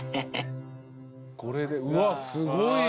これでうわすごい！